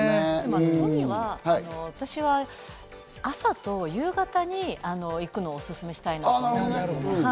海は、私は朝と夕方に行くのをおすすめしたいなと思います。